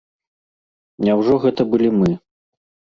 Няўжо гэта былі мы?